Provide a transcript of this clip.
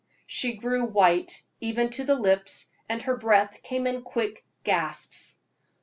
She grew white, even to the lips, and her breath came in quick gasps.